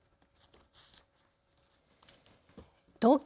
東京